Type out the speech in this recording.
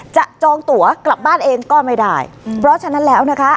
จองตัวกลับบ้านเองก็ไม่ได้เพราะฉะนั้นแล้วนะคะ